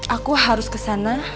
aku harus kesana